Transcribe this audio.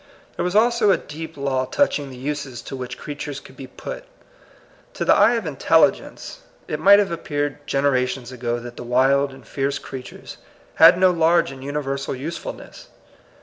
There was also a deep law touching the uses to which , creatures could be put. To the eye of intelligence it might have appeared gen erations ago that the wild and fierce crea tures had no large and universal usefulness.